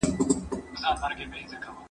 سیاستپوهنه یوه مهمه رشته ده.